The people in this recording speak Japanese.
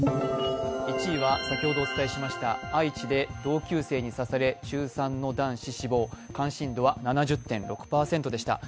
１位は、愛知で同級生に刺され中３の男子死亡、関心度は７０．６％でした。